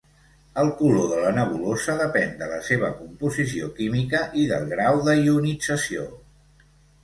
El color de la nebulosa depèn de la seva composició química i del grau de ionització.